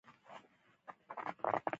دښمنان د هېواد د ویشلو هڅه کوي